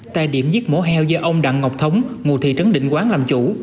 tại điểm giết mổ heo do ông đặng ngọc thống ngụ thị trấn định quán làm chủ